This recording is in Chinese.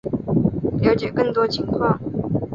了解更多情况